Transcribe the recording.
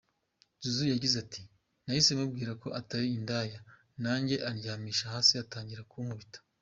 Zuzu yagize ati : “Nahise mubwira ko atari indaya nanjye andyamisha hasi atangira kunkubita.